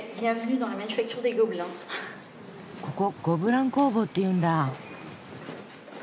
ここゴブラン工房っていうんだ。